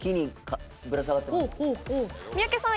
三宅さん